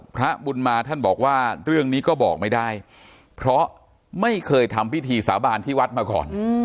พระบุญมาท่านบอกว่าเรื่องนี้ก็บอกไม่ได้เพราะไม่เคยทำพิธีสาบานที่วัดมาก่อน